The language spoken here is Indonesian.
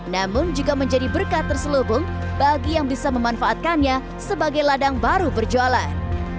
namun juga menjadi berkat terselubung bagi yang bisa memanfaatkannya sebagai ladang baru berjualan